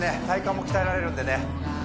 体幹も鍛えられるんでね